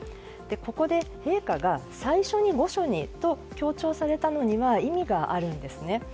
ここで、陛下が最初に御所にと強調されたのには意味があるんですね。